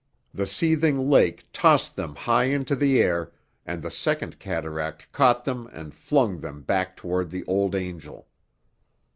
The seething lake tossed them high into the air, and the second cataract caught them and flung them back toward the Old Angel.